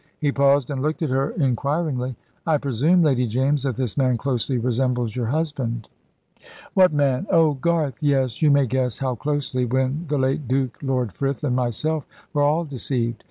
He paused and looked at her inquiringly. "I presume, Lady James, that this man closely resembles your husband?" "What man? Oh, Garth yes. You may guess how closely, when the late Duke, Lord Frith, and myself were all deceived.